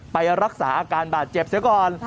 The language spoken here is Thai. ไปรักษาอาการบาดเจ็บเสียก่อน